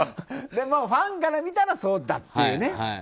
ファンから見たらそうだっていうね。